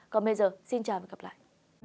còn bây giờ xin chào và gặp lại